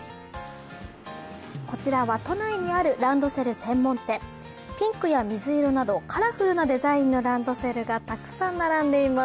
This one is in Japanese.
こちらは都内にあるランドセル専門店ピンクや水色などカラフルなデザインのランドセルがたくさん並んでいます。